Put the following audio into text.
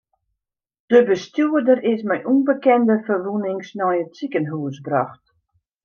De bestjoerder is mei ûnbekende ferwûnings nei it sikehûs brocht.